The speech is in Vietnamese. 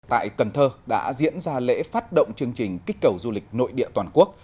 tại cần thơ đã diễn ra lễ phát động chương trình kích cầu du lịch nội địa toàn quốc